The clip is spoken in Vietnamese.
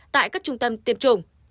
tại các trung tâm tiêm chủng